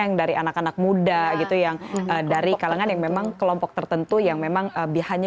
yang dari anak anak muda gitu yang dari kalangan yang memang kelompok tertentu yang memang behanya